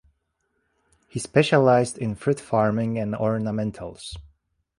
He specialized in fruit farming and ornamentals.